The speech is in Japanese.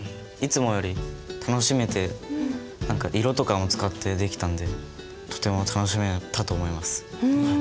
いつもより楽しめて色とかも使ってできたんでとても楽しめたと思います。